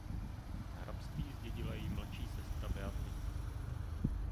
Hrabství zdědila její mladší sestra Beatrix.